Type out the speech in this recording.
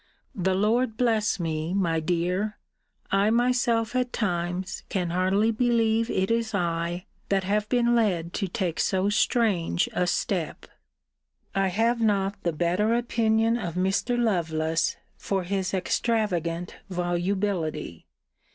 The Lord bless me, my dear, I myself, at times, can hardly believe it is I, that have been led to take so strange a step. I have not the better opinion of Mr. Lovelace for his extravagant volubility.